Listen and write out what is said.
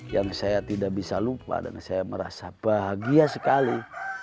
yang saya tidak bisa lupa dan saya merasa bahagia sekali